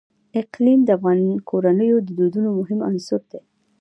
اقلیم د افغان کورنیو د دودونو مهم عنصر دی.